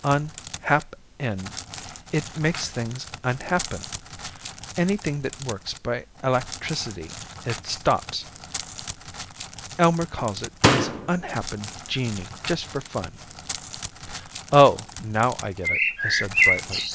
"Unhap pen. It makes things unhappen. Anything that works by electracity, it stops. Elmer calls it his unhappen genii. Just for fun." "Oh, now I get it," I said brightly.